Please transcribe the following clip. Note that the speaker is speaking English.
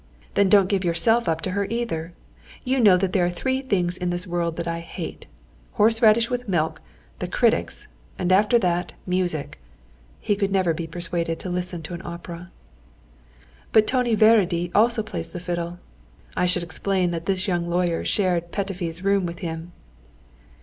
Then don't give yourself up to her either! You know there are three things in this world that I hate horse radish with milk, the critics, and after that, music." (He could never be persuaded to listen to an opera.) "But Tony Várady also plays the fiddle!" (I should explain that this young lawyer shared Petöfi's room with him.)